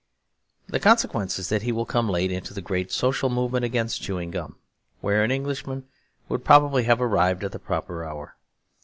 The consequence is that he will come late into the great social movement against chewing gum, where an Englishman would probably have arrived at the proper hour.